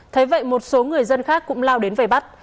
thế vậy một số người dân khác cũng lao đến về bắt